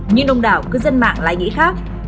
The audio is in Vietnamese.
như nông đảo cư dân mạng lại nghĩ khác